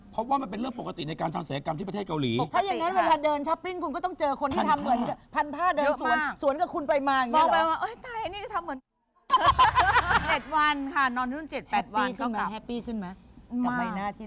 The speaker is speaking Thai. เพราะว่ามันเป็นเรื่องปกติในการทำศัยกรรมที่ประเทศเกาหลี